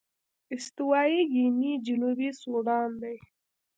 استوايي ګيني جنوبي سوډان دي.